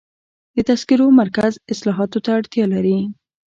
د تذکرو مرکز اصلاحاتو ته اړتیا لري.